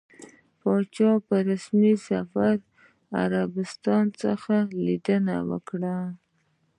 پاچا په رسمي سفر له عربستان څخه ليدنه وکړه.